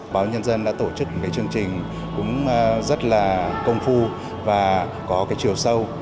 báo nhân dân đã tổ chức chương trình rất công phu và có chiều sâu